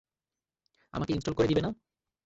আমাকে ইন্সটল করে দিবে না?